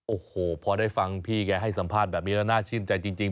โอ้โหพอได้ฟังพี่แกให้สัมภาษณ์แบบนี้แล้วน่าชื่นใจจริง